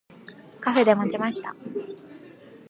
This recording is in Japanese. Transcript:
カフェで待ちました。